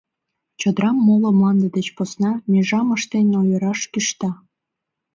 Чодырам моло мланде деч посна межам ыштен ойыраш кӱшта.